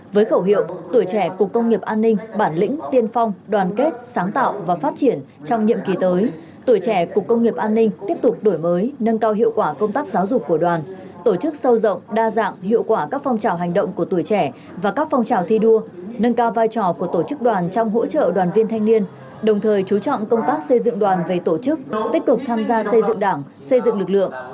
với khẩu hiệu tuổi trẻ cục công nghiệp an ninh bản lĩnh tiên phong đoàn kết sáng tạo và phát triển trong nhiệm kỳ tới tuổi trẻ cục công nghiệp an ninh tiếp tục đổi mới nâng cao hiệu quả công tác giáo dục của đoàn tổ chức sâu rộng đa dạng hiệu quả các phong trào hành động của tuổi trẻ và các phong trào thi đua nâng cao vai trò của tổ chức đoàn trong hỗ trợ đoàn viên thanh niên đồng thời chú trọng công tác xây dựng đoàn về tổ chức tích cực tham gia xây dựng đảng xây dựng lực lượng